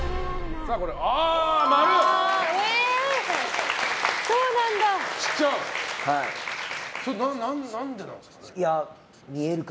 それは何でなんですか？